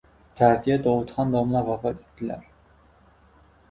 Ta’ziya: Dovudxon domla vafot etdilar